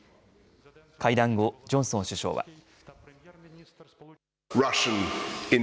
会談後、ジョンソン首相は。